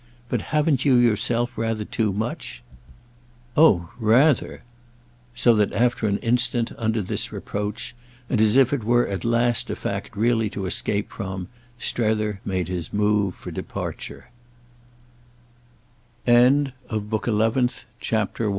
"But haven't you yourself rather too much?" "Oh rather—!" So that after an instant, under this reproach and as if it were at last a fact really to escape from, Strether made his move for dep